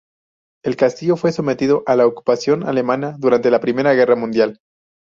El castillo fue sometido a la ocupación alemana durante la Primera Guerra Mundial.